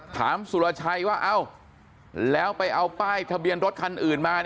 สุรชัยว่าเอ้าแล้วไปเอาป้ายทะเบียนรถคันอื่นมา